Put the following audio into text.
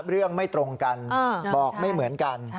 เรื่องไม่ตรงกันบอกไม่เหมือนกัน